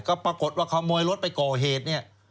ก็ปรากฏว่าขโมยรถไปก่อเหตุเนี่ย